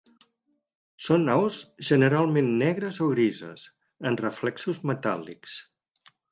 Són aus generalment negres o grises amb reflexos metàl·lics.